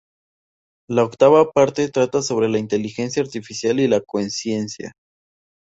La octava parte trata sobre la inteligencia artificial y la conciencia.